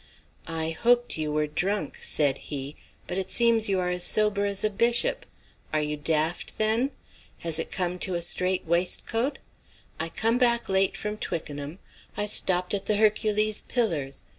"I hoped you were drunk," said he. "But it seems you are as sober as a bishop. Are you daft, then? Has it come to a strait waistcoat? I come back late from Twickenham. I stopped at the 'Hercules Pillars.'